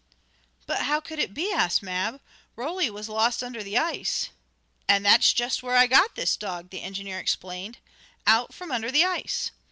"But how could it be?" asked Mab. "Roly was lost under the ice." "And that's just where I got this dog," the engineer explained. "Out from under the ice.